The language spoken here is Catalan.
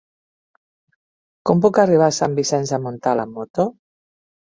Com puc arribar a Sant Vicenç de Montalt amb moto?